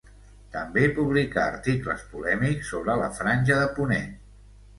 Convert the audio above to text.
També publicà articles polèmics sobre la Franja de Ponent.